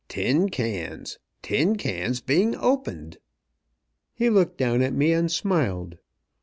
Tin cans! Tin cans being opened!" He looked down at me, and smiled.